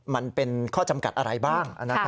มันเป็นข้อจำกัดอะไรบ้าง